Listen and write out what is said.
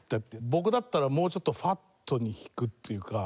僕だったらもうちょっとファットに弾くっていうか。